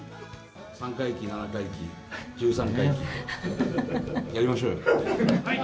三回忌、七回忌、十三回忌、やりましょうよ。